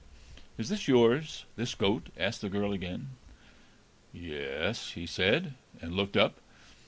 "Is it yours, this goat?" asked the girl again. "Ye es," he said, and looked up.